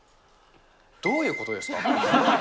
どういうことですか？